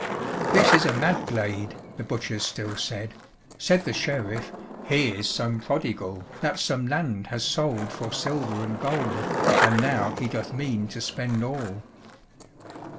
"This is a mad blade," the butchers still said; Said the Sheriff, "He is some prodigal, That some land has sold for silver and gold, And now he doth mean to spend all.